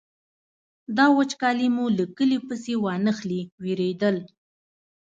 دا وچکالي مو له کلي پسې وانخلي وېرېدل.